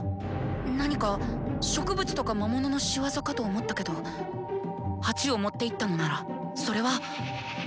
何か植物とか魔物の仕業かと思ったけど鉢を持っていったのならそれは生徒の魔術！